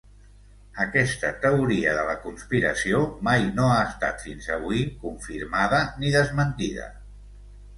Aquesta teoria de la conspiració mai no ha estat, fins avui, confirmada ni desmentida.